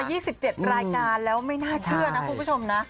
นี่คือทำมา๒๗รายการแล้วไม่น่าเชื่อนะคุณผู้ชมนะ